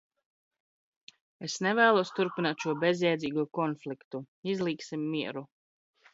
Es nevēlos turpināt šo bezjēdzīgo konfliktu. Izlīgsim mieru!